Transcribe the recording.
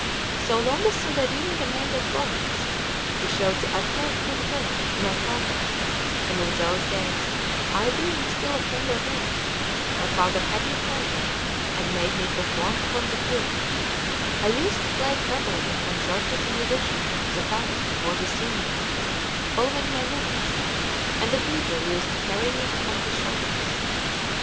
So long as Soderini remained in Florence, he showed the utmost good will to my father; and in those days, I being still of tender age, my father had me carried, and made me perform upon the flute; I used to play treble in concert with the musicians of the palace before the Signory, following my notes: and a beadle used to carry me upon his shoulders.